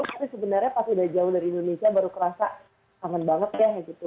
tapi sebenarnya pas udah jauh dari indonesia baru kerasa kangen banget ya gitu